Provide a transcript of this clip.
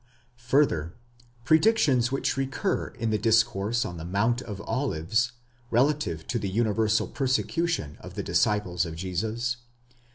further, predictions which recur in the discourse on the Mount of Olives, relative to the universal persecution of the disciples of Jesus (v.